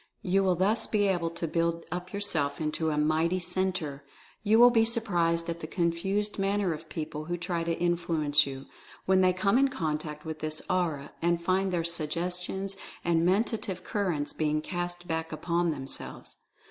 You will thus be able to build up yourself into a mighty Centre. You will be surprised at the confused manner of people who try to influence you, when they come in contact with this Aura, and find their Suggestions and Mentative Cur rents being cast back upon themselves.